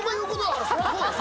そりゃそうだよ。